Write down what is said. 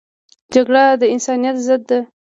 جګړه د انسانیت ضد ده